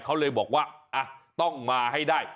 เขาเลยบอกว่าต้องมาให้ได้